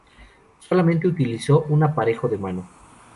Solamente utilizo un aparejo de mano.